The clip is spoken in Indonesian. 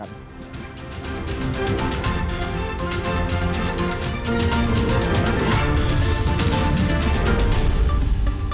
dan kita akan mencoba untuk mencoba